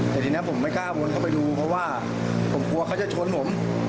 แต่ทีนี้ผมไม่กล้าวนเข้าไปดูเพราะว่าผมกลัวเขาจะชนผม